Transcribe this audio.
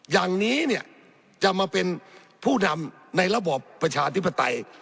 อย่างนี้เนี่ยจะมาเป็นผู้นำในระบอบประชาธิปไตย